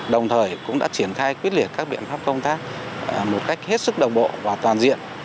đồng thời cũng đã triển khai quyết liệt các biện pháp công tác một cách hết sức đồng bộ và toàn diện